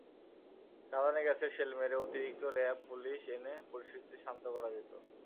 কাঁদানে গ্যাসের শেল মেরে, অতিরিক্ত র্যা ব-পুলিশ এনে পরিস্থিতি শান্ত করা যেত।